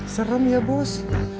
serem ya bos